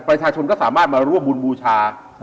ประชาชนก็สามารถมาร่วมบุญบูชา